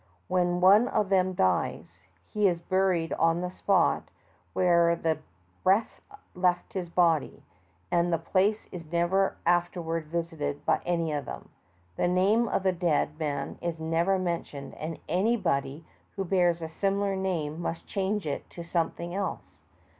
When one of them dies, he is buried on the spot where the breath left his body, and the place is never after ward visited by any of them. The name of the dead man is never mentioned, and anybody who A CORROBOREE IN AUSTRALIA. 197 bears a similar name must ehange it to something else.